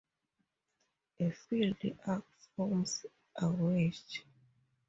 A filled Arc forms a wedge.